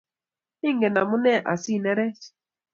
Inget amune asinerech